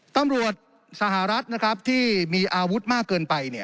ตำรวจสหรัฐนะครับที่มีอาวุธมากเกินไปเนี่ย